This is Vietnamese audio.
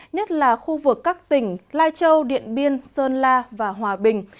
nhất là khu vực các tỉnh lai châu điện biên sơn la và hòa bình